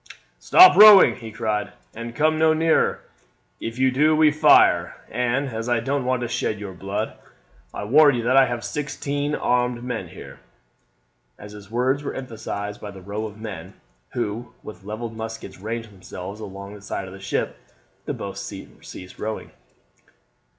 "Stop rowing," he cried, "and come no nearer. If you do we fire, and as I don't want to shed your blood I warn you that I have sixteen armed men here." As his words were emphasized by the row of men, who with levelled muskets ranged themselves along at the side of the ship, the boat ceased rowing.